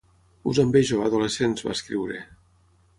Us envejo, adolescents, va escriure.